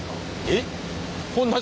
えっ？